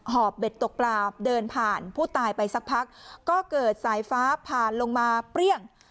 เบ็ดตกปลาเดินผ่านผู้ตายไปสักพักก็เกิดสายฟ้าผ่านลงมาเปรี้ยง